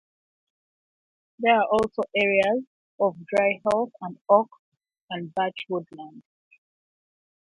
There are also areas of dry heath and oak and birch woodland.